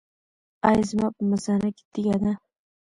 ایا زما په مثانه کې تیږه ده؟